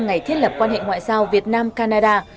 ngày thiết lập quan hệ ngoại giao việt nam canada